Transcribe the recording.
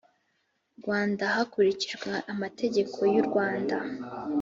rwanda hakurikijwe amategeko y u rwanda